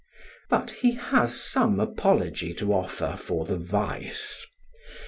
But he has some apology to offer for the vice.